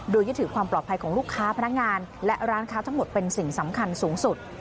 โดยยึดถือความปลอดภัยของลูกค้าพนักงานและร้านค้าทั้งหมดเป็นสิ่งสำคัญสูงสุด